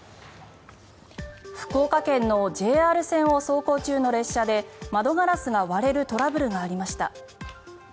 福岡県のＪＲ線を走行中の列車で窓ガラスが割れるトラブルがありました。